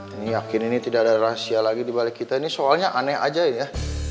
ini yakin ini tidak ada rahasia lagi dibalik kita ini soalnya aneh aja ya